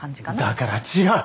だから違う！